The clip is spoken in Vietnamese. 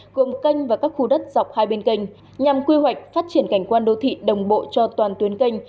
gồm kênh và các khu đất dọc hai bên kênh nhằm quy hoạch phát triển cảnh quan đô thị đồng bộ cho toàn tuyến kênh